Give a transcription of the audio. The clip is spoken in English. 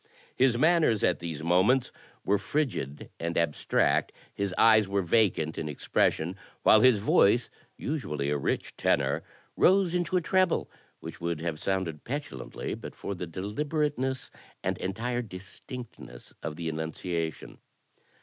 His manners at these moments were frigid and abstract; his eyes were vacant in expression; while his voice, usually a rich tenor, rose into a treble which would have sounded petulantly but for the deliberateness and entire distinctness of the enunciation.